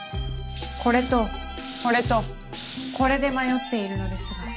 これとこれとこれで迷っているのですが。